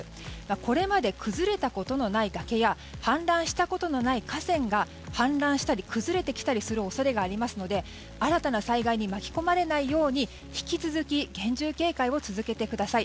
これまで崩れたことのない崖や氾濫したことのない河川が氾濫したり、崩れてきたりする恐れがありますので新たな災害に巻き込まれないように引き続き厳重警戒を続けてください。